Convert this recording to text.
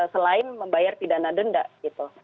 selain membayar pidana denda gitu